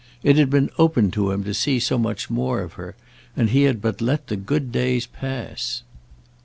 It had been open to him to see so much more of her, and he had but let the good days pass.